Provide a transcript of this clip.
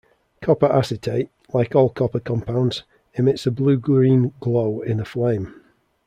Copper acetate, like all copper compounds, emits a blue-green glow in a flame.